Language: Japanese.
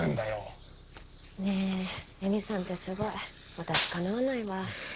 私かなわないわ。